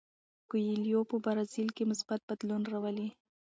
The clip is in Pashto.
کویلیو په برازیل کې مثبت بدلون راولي.